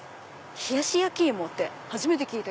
冷やし焼き芋って初めて聞いた。